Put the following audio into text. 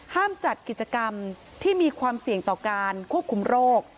จัดกิจกรรมที่มีความเสี่ยงต่อการควบคุมโรค